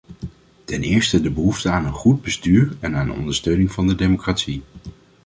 Ten eerste de behoefte aan een goed bestuur en aan ondersteuning van de democratie.